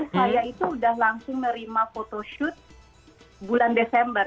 saya itu sudah langsung nerima photoshoot bulan desember